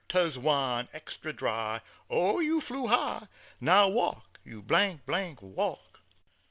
'Twas wine, Extra Dry. Oh, You flew high Now walk, you , walk.